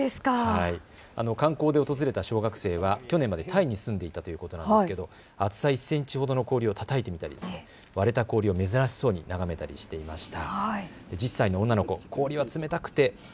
観光で訪れた小学生は去年までタイに住んでいたということですが厚さ１センチほどの氷をたたいてみたり割れた氷を珍しそうに眺めたりしていました。